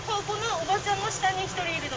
おばあちゃんの下に１人いるの。